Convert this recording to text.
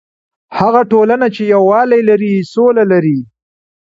هغه ټولنه چې یووالی لري، سوله لري.